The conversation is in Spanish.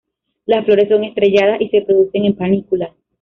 Las flores son estrelladas y se producen en panículas.